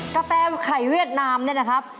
กาแฟไข่เวียดนามเนี่ยนะครับ